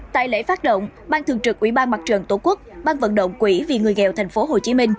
tại lễ phát động ban thường trực ubnd tổ quốc ban vận động quỹ vì người nghèo tp hcm